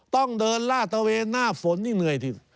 ต้องเดินลาดตะเวนหน้าฝนนี่เหนื่อยสิ